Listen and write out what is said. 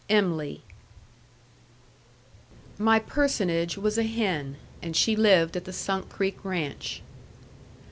EM'LY My personage was a hen, and she lived at the Sunk Creek Ranch.